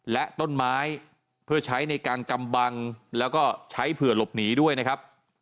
และต้นไม้เพื่อใช้ในการกำบังแล้วก็ใช้เผื่อหลบหนีด้วยนะครับ